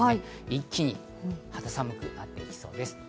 一気に肌寒くなってきそうです。